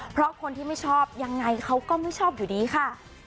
เพราะคนที่ไม่ชอบยังไงเขาก็ไม่ชอบอยู่ดีค่ะ